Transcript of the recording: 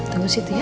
tunggu disini ya